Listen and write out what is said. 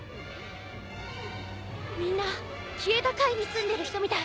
みんな消えた階に住んでる人みたい！